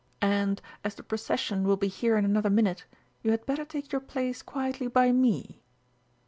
And, as the procession will be here in another minute, you had better take your place quietly by me....